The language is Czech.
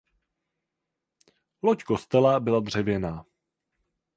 Loď kostela byla dřevěná.